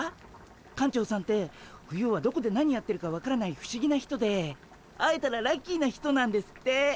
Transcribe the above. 館長さんって冬はどこで何やってるか分からない不思議な人で会えたらラッキーな人なんですって。